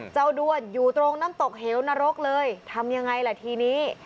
ด้วนอยู่ตรงน้ำตกเหวนรกเลยทำยังไงล่ะทีนี้